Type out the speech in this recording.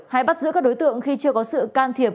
hay bắt giữ các đối tượng khi chưa có sự can thiệp